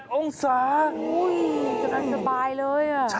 โอ้โฮจนอันสบายเลย